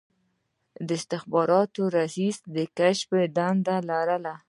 د استخباراتو رییس کشفي دنده لري